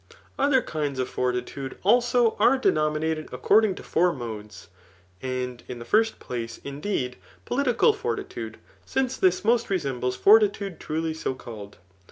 Other kinds of fortitude, also, are denominated according to four modes; and in the first place, indeed, political fortitude, since this most resembles foVtitude truly 80 called.